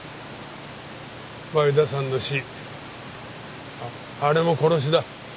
前田さんの死あれも殺しだ。